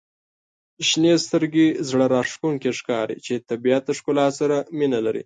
• شنې سترګي زړه راښکونکي ښکاري چې د طبیعت د ښکلا سره مینه لري.